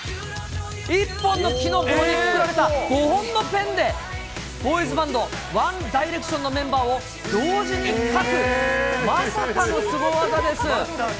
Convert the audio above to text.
一本の木の棒でくくられた５本のペンで、ボーイズバンド、ワンダイレクションのメンバーを同時に描く、まさかのすご技です。